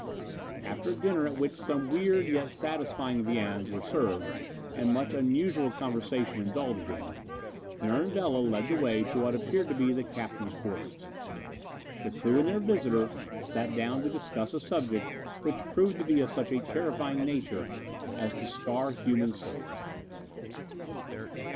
After a dinner at which some weird yet satisfying viands were served and much unusual conversation indulged in, Nern Bela led the way to what appeared to be the captain's quarters. The crew and their visitor sat down to discuss a subject which proved to be of such a terrifying nature as to scar human souls.